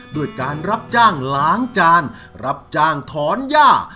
ด้วยการรับจ้างล้างจานรับจ้างถอนย่า